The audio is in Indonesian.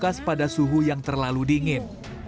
khususnya adalah dianggap terlalu dingin